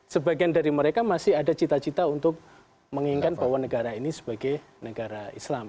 sebagian dari mereka masih ada cita cita untuk menginginkan bahwa negara ini sebagai negara islam